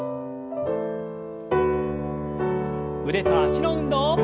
腕と脚の運動。